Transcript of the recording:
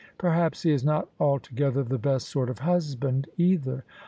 Perhaps he IS not altogether the best sort of husband, either.